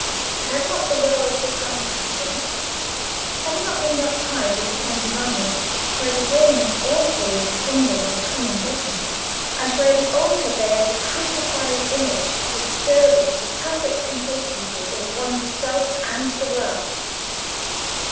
For had not the world become Christian? Had he not been baptised in San Giovanni, where the dome is awful with symbols of coming judgment, and where the altar bears a crucified Image disturbing to perfect complacency in one's self and the world?